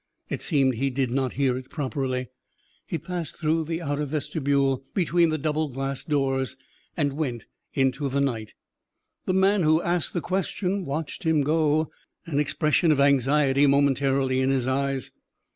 It seemed he did not hear it properly. He passed through the outer vestibule between the double glass doors, and went into the night. The man who asked the question watched him go, an expression of anxiety momentarily in his eyes.